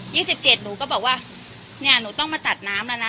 ี่สิบเจ็ดหนูก็บอกว่าเนี่ยหนูต้องมาตัดน้ำแล้วนะ